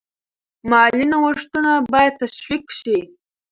مالي نوښتونه باید تشویق شي.